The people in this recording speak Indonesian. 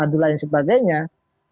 adu kapasitas adu kapasitas adu kapasitas